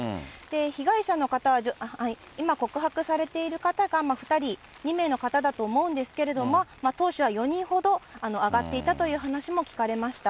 被害者の方は、今告白されている方が２人、２名の方だと思うんですけども、当初は４人ほど上がっていたという話も聞かれました。